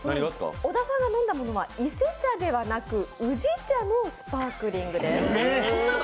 小田さんが飲んだものは伊勢茶ではなく、宇治茶のスパークリングです。